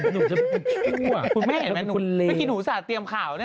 คุณแม่เห็นไหมวันนี้หนูสาดเตรียมข่าว